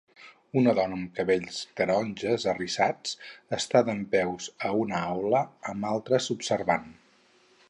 Una dona amb cabells taronges arrissats està dempeus a una aula amb altres observant